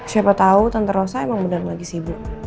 siapa tau tante rosa emang beneran lagi sibuk